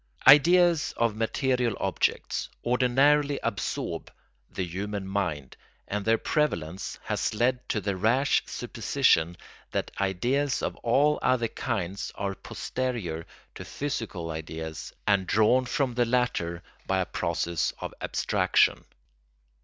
] Ideas of material objects ordinarily absorb the human mind, and their prevalence has led to the rash supposition that ideas of all other kinds are posterior to physical ideas and drawn from the latter by a process of abstraction.